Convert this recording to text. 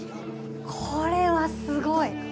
これはすごい！